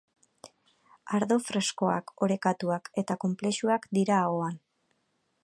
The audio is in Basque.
Ardo freskoak, orekatuak eta konplexuak dira ahoan.